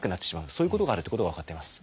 そういうことがあるっていうことが分かっています。